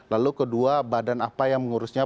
lalu kedua badan apa yang mengurusnya